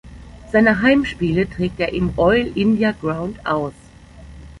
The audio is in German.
Seine Heimspiele trägt er im Oil India Ground aus.